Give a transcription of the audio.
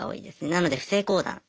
なので不正交談。